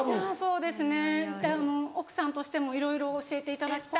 そうですね奥さんとしてもいろいろ教えていただきたいな。